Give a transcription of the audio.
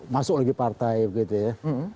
masuk lagi partai begitu ya